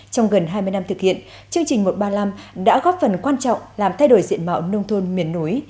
trong gần hai mươi năm thực hiện chương trình một trăm ba mươi năm đã góp phần quan trọng làm thay đổi diện mạo nông thôn miền núi